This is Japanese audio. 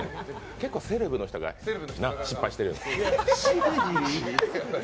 結構セレブの人が失敗してる。